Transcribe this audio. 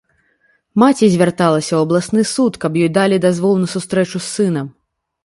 Маці звярталася ў абласны суд, каб ёй далі дазвол на сустрэчу з сынам.